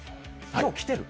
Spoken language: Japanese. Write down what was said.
今日、来てる？